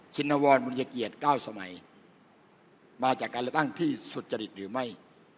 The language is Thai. ชินวรบุญเกียรติ๙สมัยมาจากการเลือกตั้งที่สุจริตหรือไม่